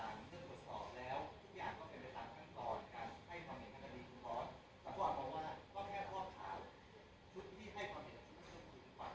คือท่านศัตรูประวัติเป็นประธานเรื่องตรวจสอบแล้ว